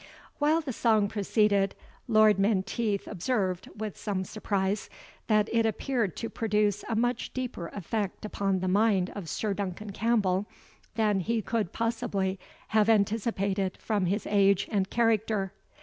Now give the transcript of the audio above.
While the song proceeded, Lord Menteith observed, with some surprise, that it appeared to produce a much deeper effect upon the mind of Sir Duncan Campbell, than he could possibly have anticipated from his age and character.